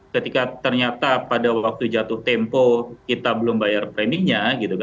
ketika ternyata pada waktu jatuh tempo kita belum bayar preminya